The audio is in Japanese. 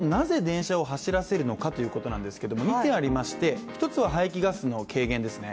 肝心の、なぜ電車を走らせるのかということですけれども、２点あって、１つは排気ガスの軽減ですね。